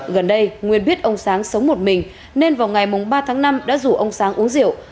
gần đây nguyên biết ông sáng sống một mình nên vào ngày ba tháng năm đã rủ ông sáng uống rượu